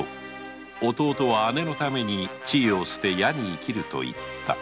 弟は姉のために地位を捨て野に生きると言った。